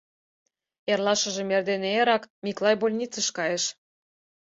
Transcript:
Эрлашыжым эрдене эрак Миклай больницыш кайыш.